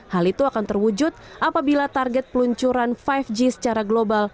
hal itu akan terwujud apabila target peluncuran lima g secara global